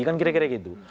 kan kira kira gitu